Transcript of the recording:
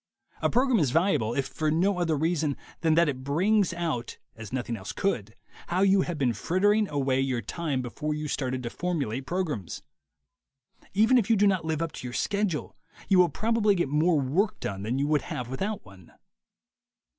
A program is valuable if for no other reason than that it brings out, as noth ing else could, how you have been frittering away your time before you started to formulate programs. Even if you do not live up to your schedule, you will probably get more work done than you would have without one.